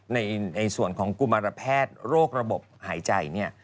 ในส่วนของกุมารแพทย์โรคระบบหายใจเนี่ย